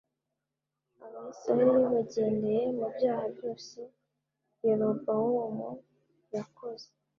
abisirayeli bagendeye mu byaha byose yerobowamu yakoze